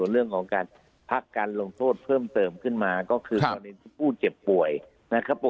เรื่องของการพักการโรงโทษเพิ่มเติมขึ้นมาก็คือในผู้เจ็บป่วย